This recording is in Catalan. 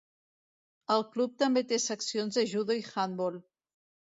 El club també té seccions de judo i handbol.